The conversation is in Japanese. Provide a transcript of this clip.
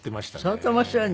相当面白いね。